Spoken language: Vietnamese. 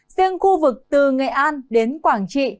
riêng khu vực từ nghệ an đến quảng trị